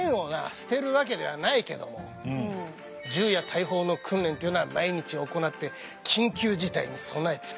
捨てるわけではないけども銃や大砲の訓練というのは毎日行って緊急事態に備えている。